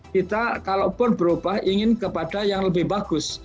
kita kalaupun berubah ingin kepada yang lebih bagus